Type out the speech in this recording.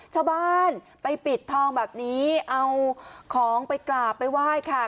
ชาวบ้านไปปิดทองแบบนี้เอาของไปกราบไปไหว้ค่ะ